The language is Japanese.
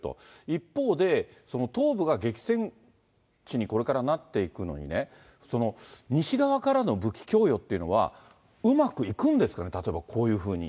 一方で、東部が激戦地にこれからなっていくのにね、西側からの武器供与っていうのは、うまくいくんですかね、例えばこういうふうに。